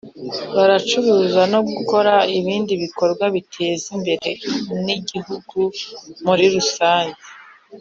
baracuruza no gukora ibindi bikorwa bibateza imbere n’igihugu muri rusange